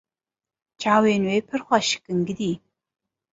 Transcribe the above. Çavên wê pir xweşik in gidî.